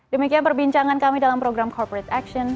demikian perbincangan kami dalam program corporate action